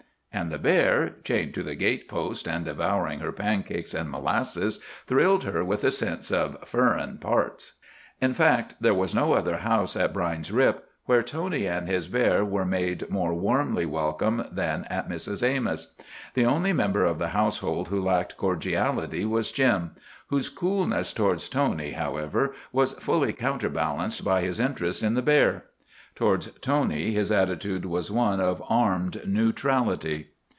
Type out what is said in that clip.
And the bear, chained to the gate post and devouring her pancakes and molasses, thrilled her with a sense of "furrin parts." In fact, there was no other house at Brine's Rip where Tony and his bear were made more warmly welcome than at Mrs. Amos'. The only member of the household who lacked cordiality was Jim, whose coolness towards Tony, however, was fully counterbalanced by his interest in the bear. Towards Tony his attitude was one of armed neutrality.